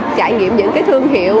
trải nghiệm những cái thương hiệu